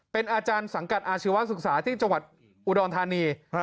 เป็นอาจารย์สังกัดอาชีวศึกษาที่จังหวัดอุดรธานี